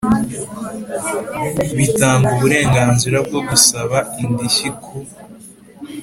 bitanga uburenganzira bwo gusaba indishyi ku